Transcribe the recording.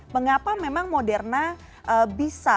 mengapa memang moderna bisa